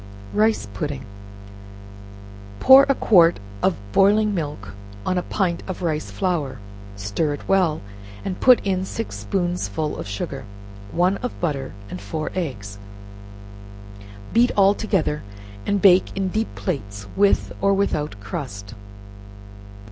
Rice Pudding. Pour a quart of boiling milk on a pint of rice flour, stir it well, and put in six spoonsful of sugar, one of butter, and four eggs, beat all together, and bake in deep plates, with or without crust.